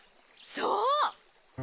そう！